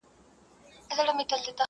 هر یو زوی به دي له ورور سره دښمن وي،